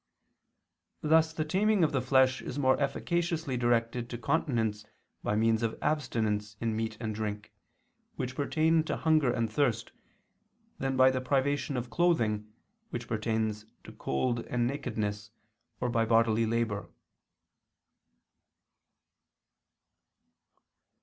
Thus the taming of the flesh is more efficaciously directed to continence by means of abstinence in meat and drink, which pertain to hunger and thirst, than by the privation of clothing, which pertains to cold and nakedness, or by bodily labor.